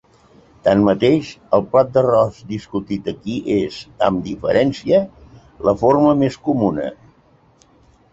Tanmateix, el plat d'arròs discutit aquí és, amb diferència, la forma més comuna.